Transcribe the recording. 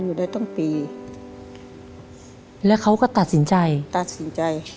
อยู่ได้ตั้งปีแล้วเขาก็ตัดสินใจตัดสินใจ